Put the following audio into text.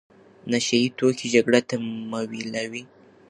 نشه يي توکي جګړه تمویلوي.